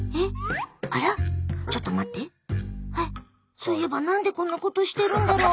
そういえば何でこんなことしてるんだろう。